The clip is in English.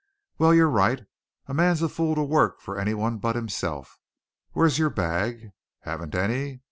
Well, you're right. A man's a fool to work for any one but himself. Where's your bag? Haven't any?